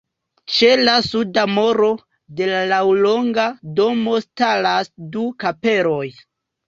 Ĉe la suda muro de la laŭlonga domo staras du kapeloj.